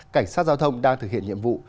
cảnh sát giao thông đang thực hiện nhiệm vụ